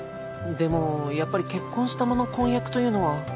でもやっぱり結婚したまま婚約というのは。